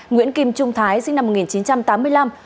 nguyễn kim trung thái sinh năm một nghìn chín trăm tám mươi năm